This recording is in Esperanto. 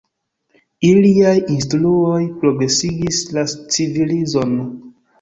Iliaj instruoj progresigis la civilizon.